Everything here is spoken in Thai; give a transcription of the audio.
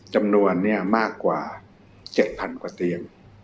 จำนวนเนี้ยมากกว่าเจ็ดพันกว่าเตียง